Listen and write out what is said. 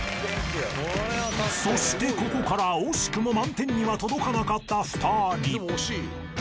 ［そしてここから惜しくも満点には届かなかった２人］